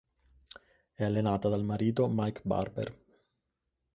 È allenata dal marito Mike Barber.